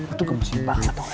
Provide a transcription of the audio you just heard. itu gak mesti banget